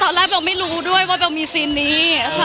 ตอนแรกพวกไม่รู้ด้วยว่าพวกมีซีนนี้